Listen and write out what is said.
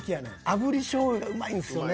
炙り醤油がうまいんですよね。